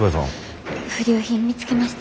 不良品見つけました。